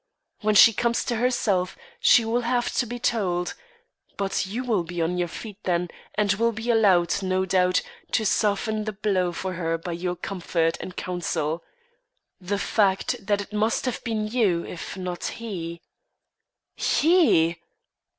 "When she comes to herself, she will have to be told; but you will be on your feet, then, and will be allowed, no doubt, to soften the blow for her by your comfort and counsel. The fact that it must have been you, if not he " "_He!